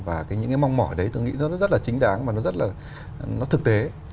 và những mong mỏi đấy tôi nghĩ rất là chính đáng và nó rất là thực tế